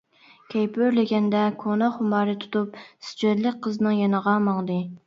كەيپى ئۆرلىگەندە كونا خۇمارى تۇتۇپ سىچۈەنلىك قىزنىڭ يېنىغا ماڭدى.